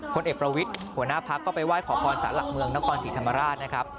พลเอกประวิทย์หัวหน้าพักก็ไปไหว้ขอพรสารหลักเมืองนครศรีธรรมราชนะครับ